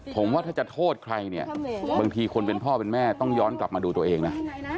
ผมว่าถ้าจะโทษใครเนี่ยบางทีคนเป็นพ่อเป็นแม่ต้องย้อนกลับมาดูตัวเองนะ